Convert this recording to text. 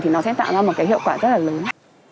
thì nó sẽ tạo ra một cái hiệu quả rất là lớn